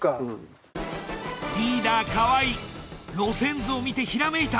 リーダー河合路線図を見てひらめいた！